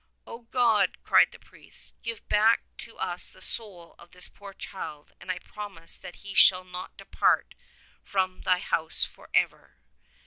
"O God," cried the priest, ''give back to us the soul oi this poor child, and I promise that he shall not depart from Thy house for ever."